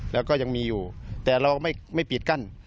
แล้วก็ยังมีอยู่แต่เราไม่ปิดกั้น